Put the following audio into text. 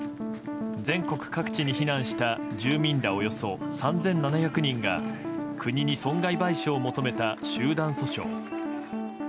全国各地に避難した住民らおよそ３７００人が国に損害賠償を求めた集団訴訟。